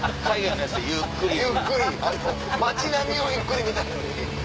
街並みをゆっくり見たいのに。